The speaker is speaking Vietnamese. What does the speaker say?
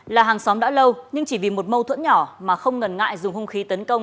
là hàng xóm đã lâu nhưng chỉ vì một mâu thuẫn nhỏ mà không ngần ngại dùng hung khí tấn công